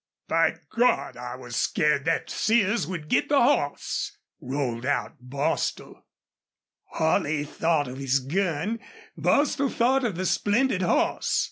"My Gawd! I was scared thet Sears would get the hoss!" rolled out Bostil. Holley thought of his gun; Bostil thought of the splendid horse.